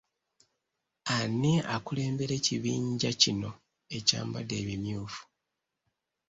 Ani akulembera ekibinja kino ekyambadde ebimyufu?